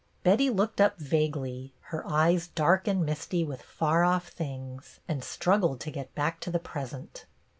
Betty looked up vaguely, her eyes dark and misty with far off things, and struggled to get back to the present.